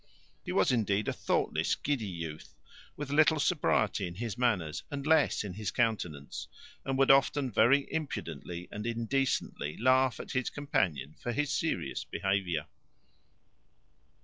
He was indeed a thoughtless, giddy youth, with little sobriety in his manners, and less in his countenance; and would often very impudently and indecently laugh at his companion for his serious behaviour.